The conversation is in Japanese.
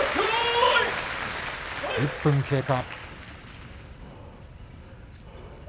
１分経過。